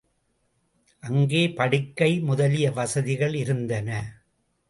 அங்கே படுக்கை முதலிய வசதிகள் இருந்தன.